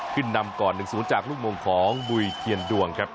ที่นำก่อนหนึ่งศูนย์จากลูกมงของบุยเทียนดวงครับ